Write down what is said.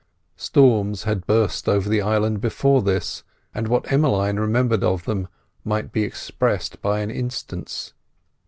Storms had burst over the island before this. And what Emmeline remembered of them might be expressed by an instance.